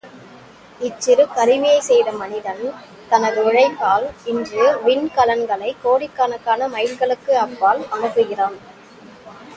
இச்சிறு கருவியைச் செய்த மனிதன், தனது உழைப்பால், இன்று விண்கலங்களை கோடிக்கணக்கான மைல்களுக்கு அப்பால் அனுப்புகிறான்.